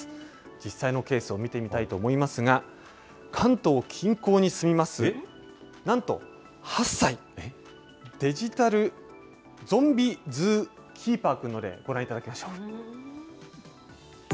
実際のケースを見てみたいと思いますが、関東近郊に住みます、なんと、８歳、デジタルＺｏｍｂｉｅＺｏｏＫｅｅｐｅｒくんの例で、ご覧いただきましょう。